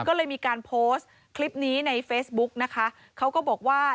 ก็เลยมีการโพสต์คลิปนี้ในเฟซบุ๊กนะคะเขาก็บอกว่า